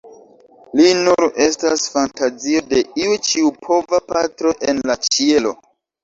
Li nur estas fantazio de iu ĉiopova patro en la ĉielo.